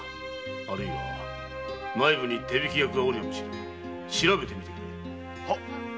あるいは内部に手引き役がおるやもしれぬ調べてみてくれ。